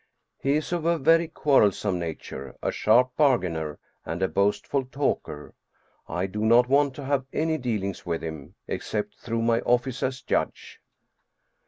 He is of a very quarrelsome nature, a sharp bar gainer, and a boastful talker. I do not want to have any dealings with him, except through my office as judge.